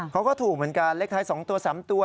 เขาก็ถูกเหมือนกันเลขท้าย๒ตัว๓ตัว